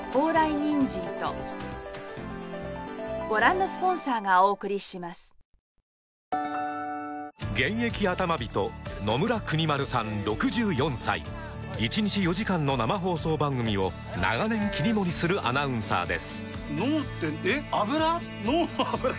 人野村邦丸さん６４歳１日４時間の生放送番組を長年切り盛りするアナウンサーです